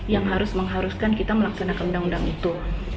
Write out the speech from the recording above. yang harus mengharuskan kita melaksanakan undang undang itu